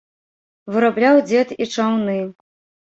Вырабляў дзед і чаўны.